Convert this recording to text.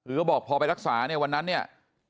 คือเขาบอกพอไปรักษาเนี่ยวันนั้นเนี่ย